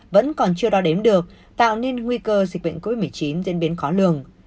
vẫn còn chưa đo đếm được tạo nên nguy cơ dịch bệnh covid một mươi chín diễn biến khó lường